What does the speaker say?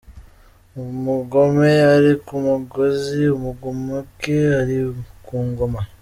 Umugome ari ku mugozi, umugomoke ari ku ngoma.